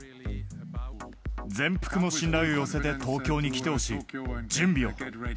全幅の信頼を寄せて、東京に来てほしい。準備を。